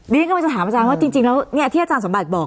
เรียนกำลังจะถามอาจารย์ว่าจริงแล้วที่อาจารย์สมบัติบอก